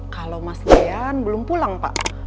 kalo mas dian belum pulang pak